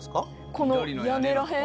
この屋根ら辺？